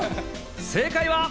正解は。